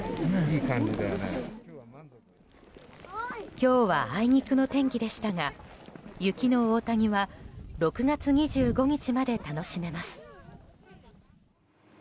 今日はあいにくの天気でしたが雪の大谷は６月２５日まで楽しめます。